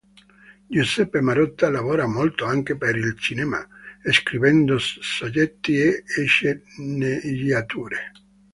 Giuseppe Marotta lavora molto anche per il cinema, scrivendo soggetti e sceneggiature.